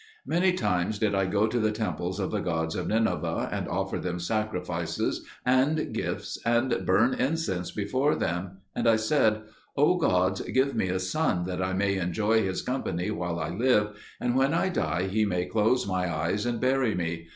Many times did I go to the temples of the gods of Nineveh and offer them sacrifices and gifts and burn incense before them; and I said, "O gods, give me a son, that I may enjoy his company while I live, and when I die he may close my eyes and bury me.